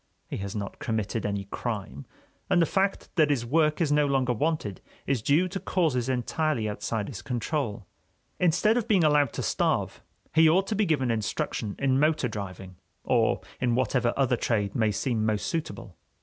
He has not committed any crime, and the fact that his work is no longer wanted is due to causes entirely outside his control. Instead of being allowed to starve, he ought to be given instruction in motor driving or in whatever other trade may seem most suitable.